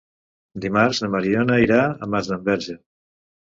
Dimarts na Mariona irà a Masdenverge.